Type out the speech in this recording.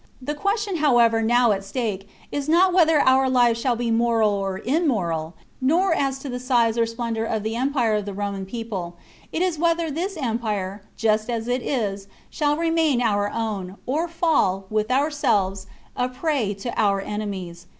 The question, however, now at stake is not whether our lives shall be moral or immoral, nor as to the size or splendour of the empire of the Roman people ; it is whether this empire, just as it is, shall remain our own, or fall, with ourselves, a prey to our enemies.